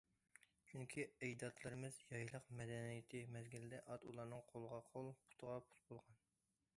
چۈنكى ئەجدادلىرىمىز يايلاق مەدەنىيىتى مەزگىلىدە ئات ئۇلارنىڭ قولىغا قول، پۇتىغا پۇت بولغان.